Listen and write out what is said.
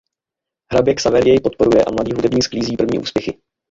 Hrabě Xaver jej podporuje a mladý hudebník sklízí první úspěchy.